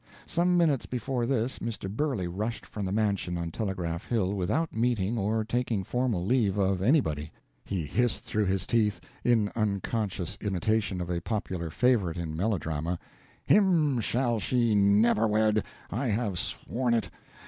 Some minutes before this Mr. Burley rushed from the mansion on Telegraph Hill without meeting or taking formal leave of anybody. He hissed through his teeth, in unconscious imitation of a popular favorite in melodrama, "Him shall she never wed! I have sworn it!